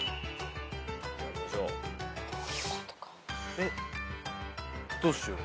えっどうしよう。